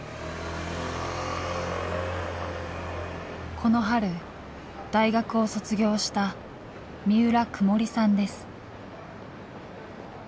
この春大学を卒業した三浦くもりさんです。